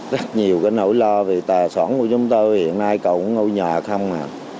rất nhiều cái nỗi lo về tài sản của chúng tôi hiện nay còn ngôi nhà không mà